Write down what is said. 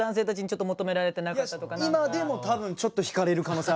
今でも多分ちょっと引かれる可能性ありますね。